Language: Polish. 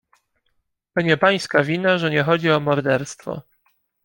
"To nie pańska wina, że nie chodzi o morderstwo."